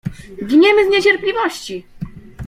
Giniemy z niecierpliwości!